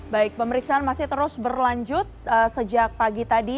baik pemeriksaan masih terus berlanjut sejak pagi tadi